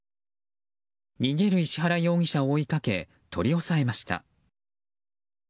逃げる石原容疑者を追いかけ取り押さえました。